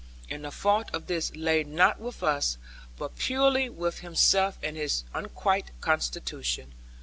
And the fault of this lay not with us, but purely with himself and his unquiet constitution.